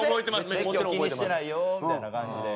全然気にしてないよみたいな感じで。